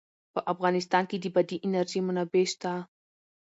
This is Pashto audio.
په افغانستان کې د بادي انرژي منابع شته.